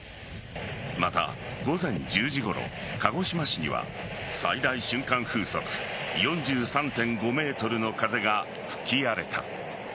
また、午前１０時ごろ鹿児島市には最大瞬間風速４３．５メートルの風が吹き荒れた。